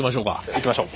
行きましょう！